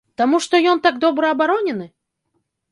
Таму што ён так добра абаронены?